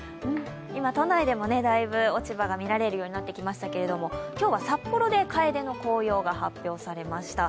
今、都内でもだいぶ落ち葉が見られるようになってきましたが今日は札幌でかえでの紅葉が発表されました。